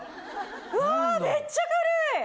うわめっちゃ軽い！